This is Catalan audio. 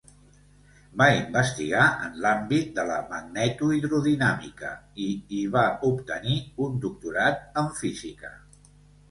Va investigar en l'àmbit de la magnetohidrodinàmica i hi va obtenir un doctorat en física.